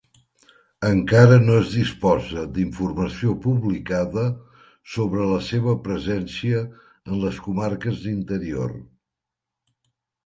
Encara no es disposa d'informació publicada sobre la seva presència en les comarques d'interior.